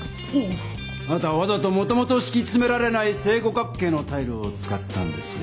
あなたはわざともともとしきつめられない正五角形のタイルを使ったんですね。